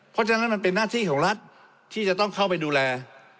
เพราะฉะนั้นมันเป็นหน้าที่ของรัฐที่จะต้องเข้าไปดูแล